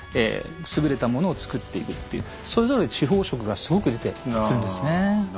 優れたものを作っていくっていうそれぞれ地方色がすごく出てくるんですね。